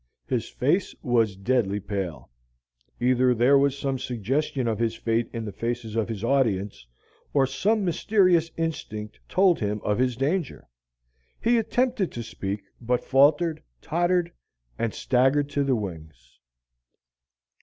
His face was deadly pale. Either there was some suggestion of his fate in the faces of his audience, or some mysterious instinct told him of his danger. He attempted to speak, but faltered, tottered, and staggered to the wings.